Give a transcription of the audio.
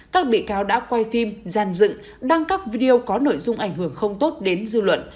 các bị cáo đã quay phim gian dựng đăng các video có nội dung ảnh hưởng không tốt đến dư luận